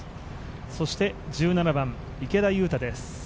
そして１７番、池田勇太です。